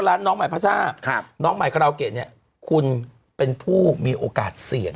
ร้านน้องใหม่ภาษาน้องใหม่ขระอุเกตเนี่ยคุณเป็นผู้มีโอกาสเสี่ยง